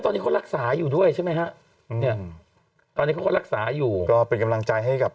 ตอนนี้เขารักษาอยู่ด้วยใช่ไหมฮะเนี่ยตอนนี้เขาก็รักษาอยู่ก็เป็นกำลังใจให้กับ